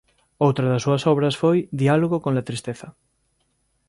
Outra das súas obras foi "Diálogo con la tristeza".